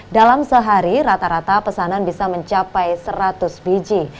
dalam sehari rata rata pesanan bisa mencapai seratus biji